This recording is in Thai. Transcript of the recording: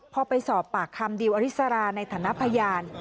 พอไปสอบปากคำดิวอริสราในฐานะพยาน